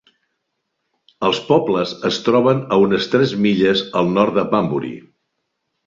Els pobles es troben a unes tres milles al nord de Banbury.